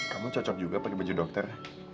kamu cocok juga pakai baju dokter